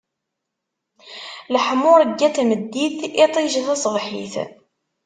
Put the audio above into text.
Leḥmuṛegga n tmeddit, iṭij taṣebḥit.